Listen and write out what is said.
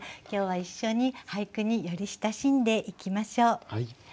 今日は一緒に俳句により親しんでいきましょう。